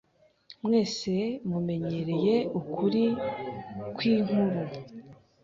Mwese mumenyereye ukuri kwinkuru.